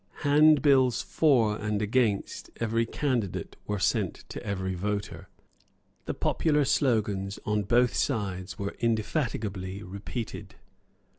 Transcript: Handbills for and against every candidate were sent to every voter. The popular slogans on both sides were indefatigably repeated.